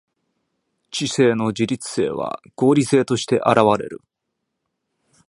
知性の自律性は合理性として現われる。